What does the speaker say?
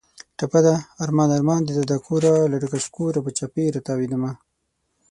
ټپه ده: ارمان ارمان دې دادا کوره، له ډکه شکوره به چاپېره تاوېدمه